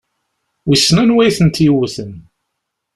Wissen anwa i tent-yewwten?